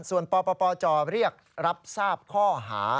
ส่วนปปจเรียกรับทราบข้อหา